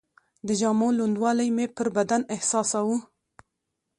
د جامو لوندوالی مې پر بدن احساساوه.